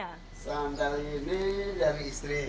sandal ini dari istri